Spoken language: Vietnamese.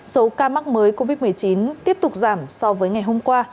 số ca mắc mới covid một mươi chín tiếp tục giảm so với ngày hôm qua